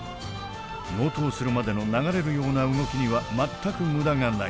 納刀するまでの流れるような動きには全く無駄がない。